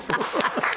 ハハハ。